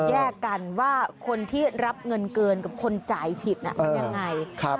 แยกกันว่าคนที่รับเงินเกินกับคนจ่ายผิดมันยังไง